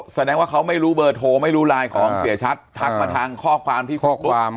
แสดงว่าเขาไม่รู้เบอร์โทรไม่รู้ไลน์ของเสียชัดทักมาทางข้อความที่ข้อความ